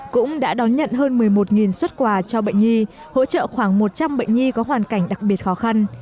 cũng đã đón nhận hơn một mươi một xuất quà cho bệnh nhi hỗ trợ khoảng một trăm linh bệnh nhi có hoàn cảnh đặc biệt khó khăn